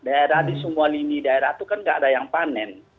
daerah di semua lini daerah itu kan nggak ada yang panen